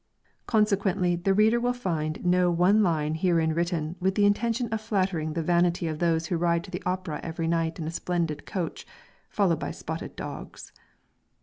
Consequently the reader will find no one line herein written with the intention of flattering the vanity of those who ride to the opera every night in a splendid coach, followed by spotted dogs.